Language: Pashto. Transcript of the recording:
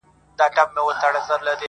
o په خبرو کي خبري پيدا کيږي.